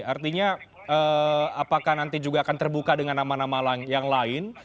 artinya apakah nanti juga akan terbuka dengan nama nama yang lain